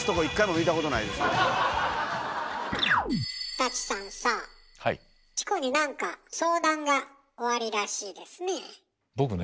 舘さんさチコに何か相談がおありらしいですね。